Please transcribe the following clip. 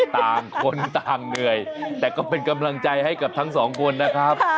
ต่างคนต่างเหนื่อยแต่ก็เป็นกำลังใจให้กับทั้งสองคนนะครับ